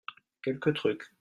quelques trucs.